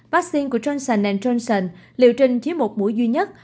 vaccine của johnson johnson liệu trình chiếm một mũi duy nhất